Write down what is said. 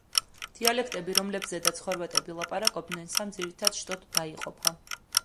დიალექტები, რომლებზედაც ხორვატები ლაპარაკობენ სამ ძირითად შტოდ დაიყოფა.